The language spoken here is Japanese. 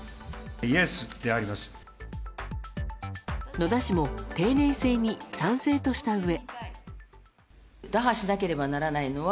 野田氏も定年制に賛成としたうえ。